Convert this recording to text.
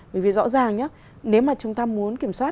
bởi vì rõ ràng nếu mà chúng ta muốn kiểm soát